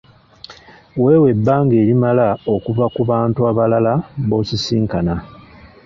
Weewe ebbanga erimala okuva ku bantu abalala b’osisinkana.